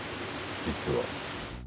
実は。